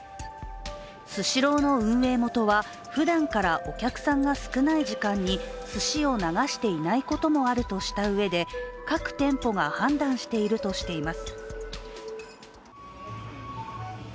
スシローの運営元はふだんからお客さんが少ない時間にすしを流していないこともあるとしたうえで各店舗が判断しているとしています。